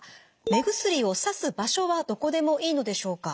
「目薬をさす場所はどこでもいいのでしょうか？